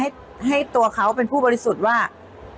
ก็เป็นสถานที่ตั้งมาเพลงกุศลศพให้กับน้องหยอดนะคะ